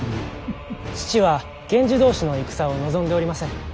父は源氏同士の戦を望んでおりません。